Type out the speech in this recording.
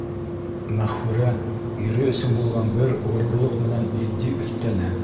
Мәғфүрә ире өсөн булған бер ғорурлыҡ менән етди өҫтәне: